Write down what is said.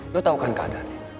lo tau kan keadaannya